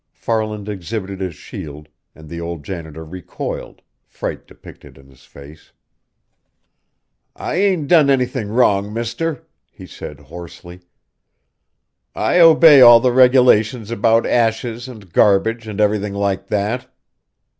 Farland exhibited his shield, and the old janitor recoiled, fright depicted in his face. "I ain't done anything wrong, mister," he said hoarsely. "I obey all the regulations about ashes and garbage and everything like that."